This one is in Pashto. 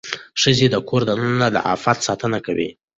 ښځه د کور دننه د عفت ساتنه کوي.